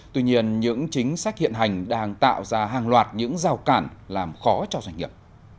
tuy nhiên những chính sách hiện hành đang tạo ra hàng loạt những rào cản làm khó cho doanh nghiệp